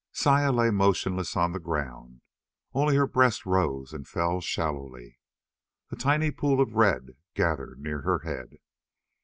Saya lay motionless on the ground. Only her breast rose and fell shallowly. A tiny pool of red gathered near her head.